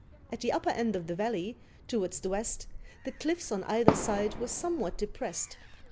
At the upper end of the valley, towards the west, the cliffs on either side were somewhat depressed.